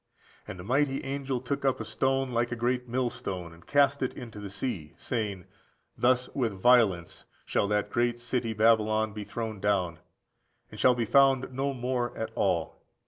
And a mighty angel took up a stone like a great millstone, and cast it into the sea, saying, Thus with violence shall that great city Babylon be thrown down, and shall be found no more at all.